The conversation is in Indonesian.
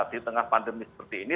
di tengah pandemi seperti ini